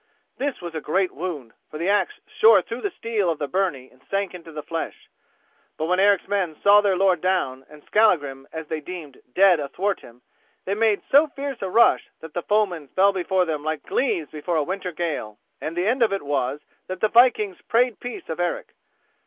This was a great wound, for the axe shore through the steel of the byrnie and sank into the flesh. But when Eric's men saw their lord down, and Skallagrim, as they deemed, dead athwart him, they made so fierce a rush that the foemen fell before them like leaves before a winter gale, and the end of it was that the vikings prayed peace of Eric.